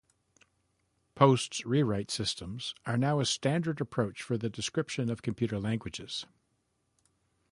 Post's rewrite systems are now a standard approach for the description of computer languages.